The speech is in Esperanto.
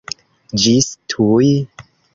Ĝis tuj!